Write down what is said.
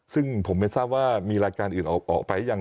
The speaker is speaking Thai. ซึ่งผมไม่ทราบว่ามีรายการอื่นออกไปหรือยัง